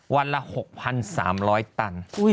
วันละ๖๓๐๐ตัน